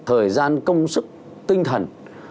thời gian công sức tinh thần